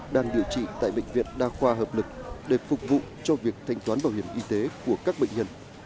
đang điều trị tại bệnh viện đa khoa hợp lực để phục vụ cho việc thanh toán bảo hiểm y tế của các bệnh nhân